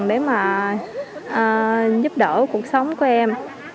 để mà giúp đỡ cuộc sống của em